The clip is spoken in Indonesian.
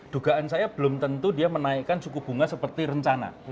dugaan saya belum tentu dia menaikkan suku bunga seperti rencana